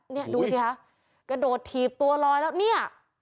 เนี่ยดูสิคะกระโดดถีบตัวลอยแล้วเนี่ย